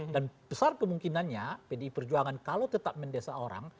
dan besar kemungkinannya pdi perjuangan kalau tetap mendesa orang